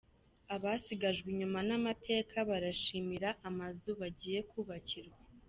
Abasigajwe inyuma n’amateka barishimira amazu bagiye kubakirwa